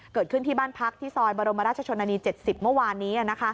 เกิดขึ้นที่บ้านพักที่ซอยบรมราชชนนานี๗๐เมื่อวานนี้